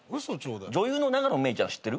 女優の永野芽郁ちゃん知ってる？